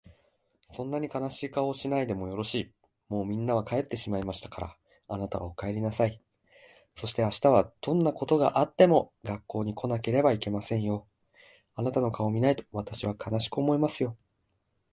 「そんなに悲しい顔をしないでもよろしい。もうみんなは帰ってしまいましたから、あなたはお帰りなさい。そして明日はどんなことがあっても学校に来なければいけませんよ。あなたの顔を見ないと私は悲しく思いますよ。屹度ですよ。」